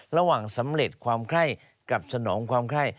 สำเร็จความไข้กับสนองความไข้